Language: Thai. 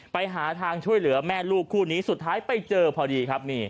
ไปหาทางช่วยเหลือแม่ลูกคู่นี้สุดท้ายไปเจอพอดีครับ